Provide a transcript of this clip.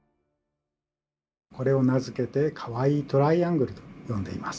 これを名付けてかわいいトライアングルと呼んでいます。